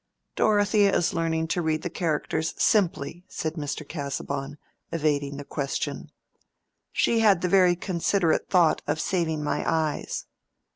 "Dorothea is learning to read the characters simply," said Mr. Casaubon, evading the question. "She had the very considerate thought of saving my eyes."